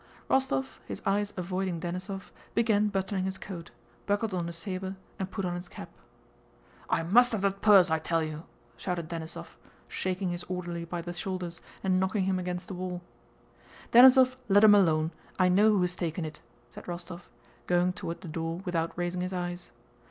Rostóv, his eyes avoiding Denísov, began buttoning his coat, buckled on his saber, and put on his cap. "I must have that purse, I tell you," shouted Denísov, shaking his orderly by the shoulders and knocking him against the wall. "Denísov, let him alone, I know who has taken it," said Rostóv, going toward the door without raising his eyes.